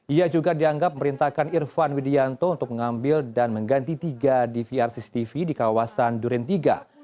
ia juga dianggap memerintahkan irfan widianto untuk mengambil dan mengganti tiga dvr cctv di kawasan duren tiga